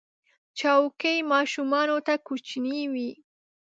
چوکۍ ماشومانو ته کوچنۍ وي.